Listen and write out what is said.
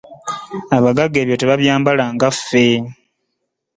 Abagagga ebyo tebabyambala nga ffe.